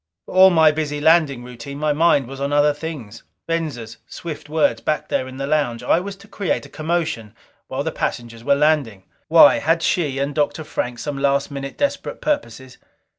For all my busy landing routine, my mind was on other things. Venza's swift words back there in the lounge. I was to create a commotion while the passengers were landing. Why? Had she and Dr. Frank some last minute desperate purposes?